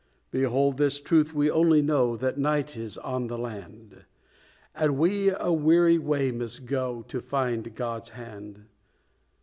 "Behold this truth we only know That night is on the land! And we a weary way must go To find God's hand."